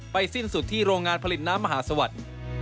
สิ้นสุดที่โรงงานผลิตน้ำมหาสวัสดิ์